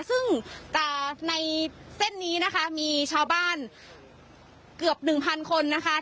ซึ่งในเส้นนี้นะคะมีชาวบ้านเกือบหนึ่งพันคนนะคะ